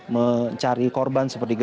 mencari korban seperti